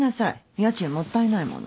家賃もったいないもの。